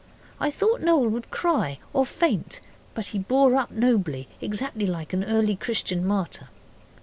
I thought Noel would cry or faint. But he bore up nobly exactly like an early Christian martyr.